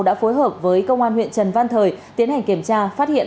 đã phối hợp với công an huyện trần văn thời tiến hành kiểm tra phát hiện